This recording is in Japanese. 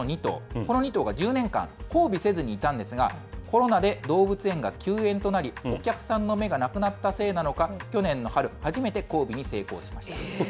この２頭が１０年間、交尾せずにいたんですが、コロナで動物園が休園となり、お客さんの目がなくなったせいなのか、去年の春、初めて交尾に成功しました。